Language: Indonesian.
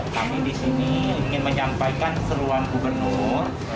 kami di sini ingin menyampaikan seruan gubernur